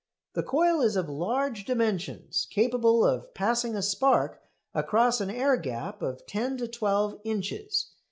The coil is of large dimensions, capable of passing a spark across an air gap of ten to twelve inches.